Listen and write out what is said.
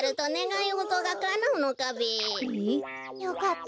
よかった。